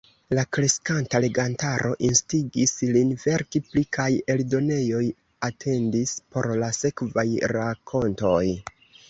La kreskanta legantaro instigis lin verki pli kaj eldonejoj atendis por la sekvaj rakontoj.